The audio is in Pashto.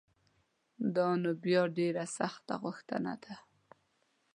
دا نو بیا ډېره سخته غوښتنه ده